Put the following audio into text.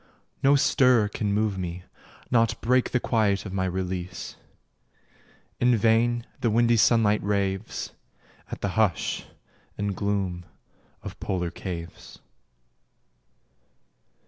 No stir can move me, Nought break the quiet of my release: In vain the windy sunlight raves At the hush and gloom of polar caves.